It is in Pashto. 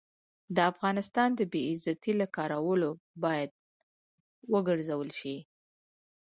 د افغانستان د بې عزتۍ له کارو باید وګرزول شي.